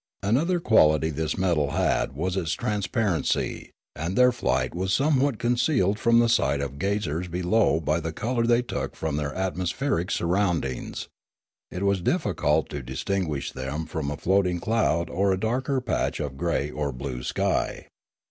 Another quality this metal had was its trans parency, and their flight was somewhat concealed from the sight of gazers below by the colour they took from their atmospheric surroundings; it was difficult to dis tinguish them from a floating cloud or a darker patch of grey or blue sky.